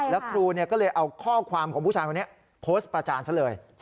แล้วครูก็เลยเอาข้อความของผู้ชายคนนี้โพสต์ประจานซะเลย